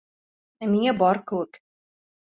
Ә миңә бар кеүек.